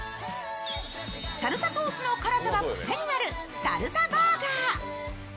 サルサソースの辛さが癖になるサルサバーガー。